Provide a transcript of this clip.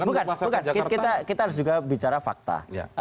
bukan bukan kita harus juga bicara fakta